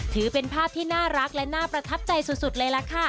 ถือเป็นภาพที่น่ารักและน่าประทับใจสุดเลยล่ะค่ะ